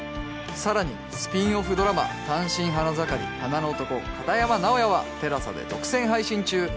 さらにスピンオフドラマ『単身花盛り花の男――片山直哉』は ＴＥＬＡＳＡ で独占配信中！